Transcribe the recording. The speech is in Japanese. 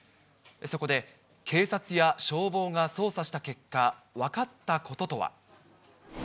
そこで、警察や消防が捜査した結果、分かったこととは。